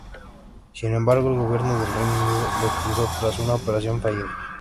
Sin embargo, el gobierno del Reino Unido le expulsó tras una operación fallida.